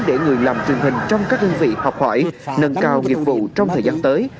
để người làm truyền hình trong các đơn vị học hỏi nâng cao nghiệp vụ trong thời gian tới